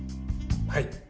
はい。